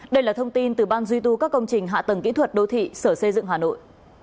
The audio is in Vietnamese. đây là thông tin từ ban duy tu các công trình hạ tầng kỹ thuật đô thị sở xây dựng hà nội